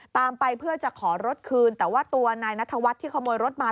ตามไปเพื่อจะขอรถคืนแต่ว่าตัวนายนัทวัฒน์ที่ขโมยรถมา